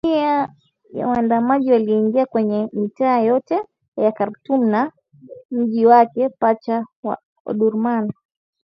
Mamia ya waandamanaji waliingia kwenye mitaa yote ya Khartoum na mji wake pacha wa Omdurman